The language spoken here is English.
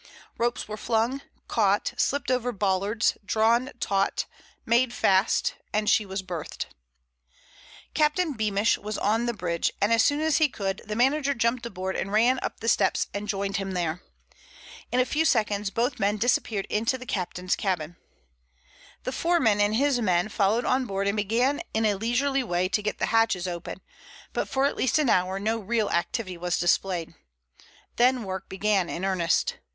Ropes were flung, caught, slipped over bollards, drawn taut, made fast—and she was berthed. Captain Beamish was on the bridge, and as soon as he could, the manager jumped aboard and ran up the steps and joined him there. In a few seconds both men disappeared into the captain's cabin. The foreman and his men followed on board and began in a leisurely way to get the hatches open, but for at least an hour no real activity was displayed. Then work began in earnest.